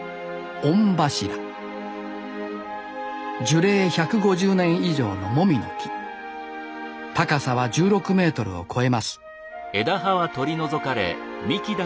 樹齢１５０年以上のモミの木高さは１６メートルを超えます